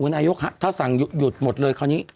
นายกถ้าสั่งหยุดหมดเลยคราวนี้